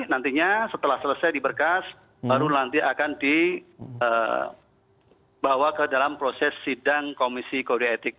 nantinya setelah selesai di berkas baru nanti akan dibawa ke dalam proses sidang komisi kode etik